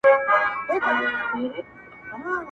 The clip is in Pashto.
له سدیو دا یوه خبره کېږي!